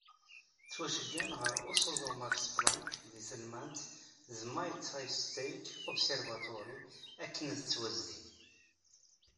Ttwaceyyɛen ɣer Usudu Max Planck deg Telmant d Mit Haystack Observatory akken ad ttwazdin.